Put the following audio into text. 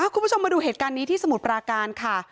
คุณผู้ชมมาดูเหตุการณ์นี้ที่สมุทรปราการค่ะ